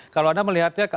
kalau anda melihatnya